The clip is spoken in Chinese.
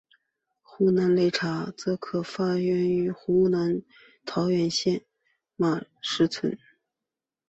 湖南擂茶则可能发源于湖南桃源县马石村。